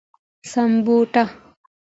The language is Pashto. سمبوټه